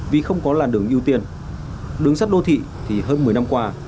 vì không có làn đường ưu tiên đường sắt đô thị thì hơn một mươi năm qua